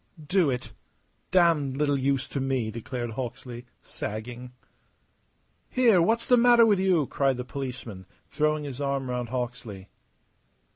"Do it! Damned little use to me," declared Hawksley, sagging. "Here, what's the matter with you?" cried the policeman, throwing his arm round Hawksley.